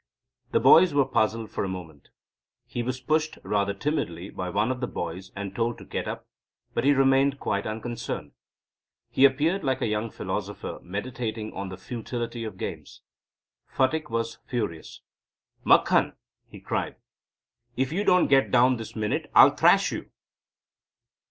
The boys were puzzled for a moment. He was pushed, rather timidly, by one of the boys and told to get up but he remained quite unconcerned. He appeared like a young philosopher meditating on the futility of games. Phatik was furious. "Makhan," he cried, "if you don't get down this minute I'll thrash you!"